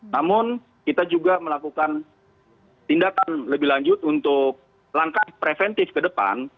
namun kita juga melakukan tindakan lebih lanjut untuk langkah preventif ke depan